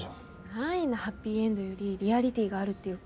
安易なハッピーエンドよりリアリティーがあるっていうか。